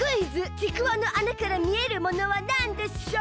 ちくわのあなからみえるものはなんでしょう？